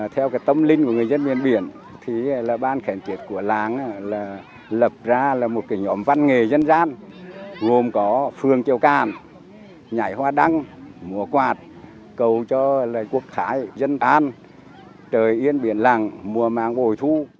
theo tâm linh của người dân miền biển ban khẳng kiệt của làn lập ra một nhóm văn nghệ dân gian gồm có phương trèo cạn nhảy hoa đăng mùa quạt cầu cho quốc khái dân an trời yên biển lẳng mùa mang bồi thu